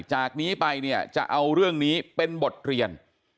จากนี้ไปเนี่ยจะเอาเรื่องนี้เป็นบทเรียน